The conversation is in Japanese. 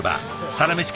「サラメシ」